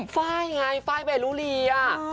ฝ้ายไงฝ้ายเบรรูรีอะ